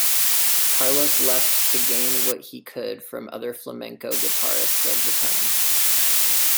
Carlos left to gain what he could from other flamenco guitarists of the time.